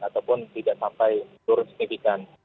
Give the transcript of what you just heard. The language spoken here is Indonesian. ataupun tidak sampai turun signifikan